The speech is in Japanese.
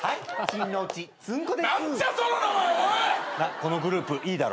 このグループいいだろ？